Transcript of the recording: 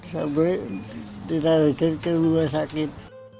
sampai ditarik ke rumah sakit